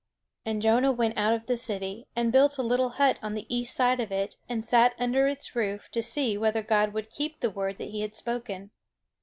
And Jonah went out of the city, and built a little hut on the east side of it, and sat under its roof, to see whether God would keep the word that he had spoken.